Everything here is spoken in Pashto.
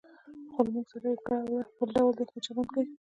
خو له موږ سره یې کړه وړه بل ډول دي، چې ښه چلند کوي.